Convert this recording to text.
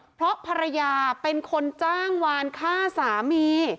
เพราะภรรยาเป็นคนจ้างวานฆ่าสามี